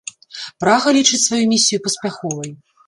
Прага лічыць сваю місію паспяховай.